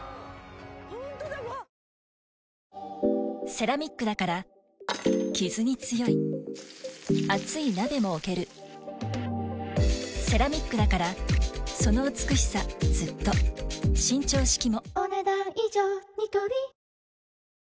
セラミックだからキズに強い熱い鍋も置けるセラミックだからその美しさずっと伸長式もお、ねだん以上。